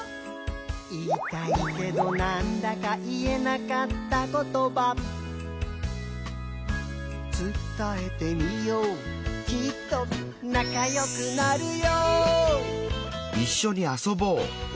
「言いたいけどなんだか言えなかったことば」「つたえてみようきっとなかよくなるよ」